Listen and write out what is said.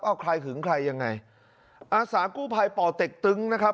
เอาใครหึงใครยังไงอาสากู้ภัยป่อเต็กตึ้งนะครับ